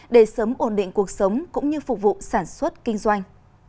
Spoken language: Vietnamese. để sớm ổn định cuộc sống cũng như phục vụ sản xuất kinh doanh